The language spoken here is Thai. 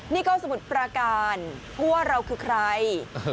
นี่ก็สมุทรปราการผู้ว่าเราคือใคร